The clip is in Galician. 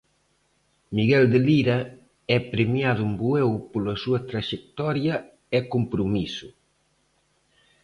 Miguel de Lira é premiado en Bueu pola súa traxectoria e compromiso.